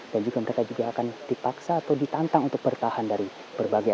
dan juga mereka juga akan dipaksa atau ditantang untuk bertahan dari berbagai hal